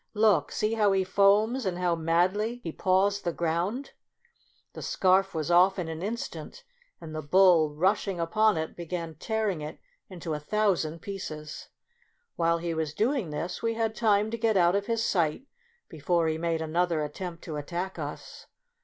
Look, see how he foams and how madly he paws the ground !" The scarf was off in an instant, and the bull rushing upon it, began tearing it into a thousand pieces. When he was doing this, we had time to get out of his sight before he made another attempt to attack us.